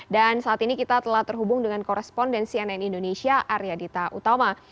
dan saat ini kita telah terhubung dengan korespondensi nn indonesia arya dita utama